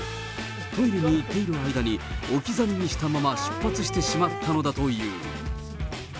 トイレに行っている間に、置き去りにしたまま、出発してしまったのだという。